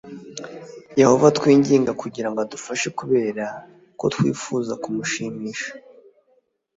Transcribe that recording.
Yehova twinginga kugira ngo adufashe kubera ko twifuza kumushimisha